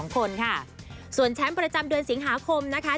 ๒คนค่ะส่วนแชมป์ประจำเดือนสิงหาคมนะคะ